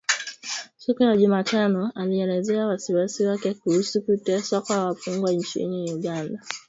Siku ya Jumatano alielezea wasiwasi wake kuhusu kuteswa kwa wafungwa nchini Uganda.